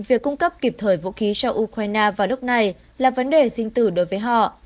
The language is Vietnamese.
việc cung cấp kịp thời vũ khí cho ukraine vào lúc này là vấn đề sinh tử đối với họ